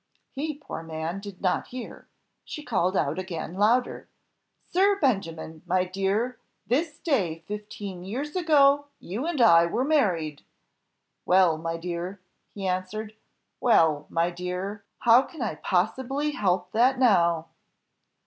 He, poor man, did not hear; she called out again louder, 'Sir Benjamin, my dear, this day fifteen years ago you and I were married!' 'Well, my dear,' he answered, 'well, my dear, how can I possibly help that now!